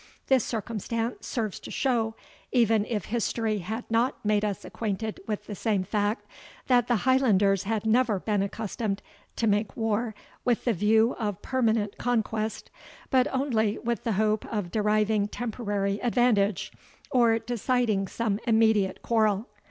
This circumstance serves to show, even if history had not made us acquainted with the same fact, that the Highlanders had never been accustomed to make war with the view of permanent conquest, but only with the hope of deriving temporary advantage, or deciding some immediate quarrel.